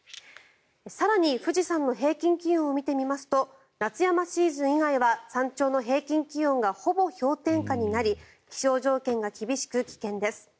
更に富士山の平均気温を見てみますと夏山シーズン以外は山頂の平均気温がほぼ氷点下になり気象条件が厳しく危険です。